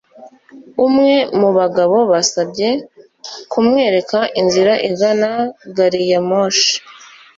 umwe mu bagabo yansabye kumwereka inzira igana gariyamoshi